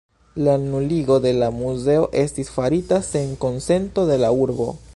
La nuligo de la muzeo estis farita sen konsento de la urbo.